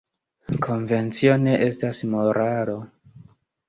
Konvencio ne estas moralo.